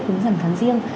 cúng dằn tháng riêng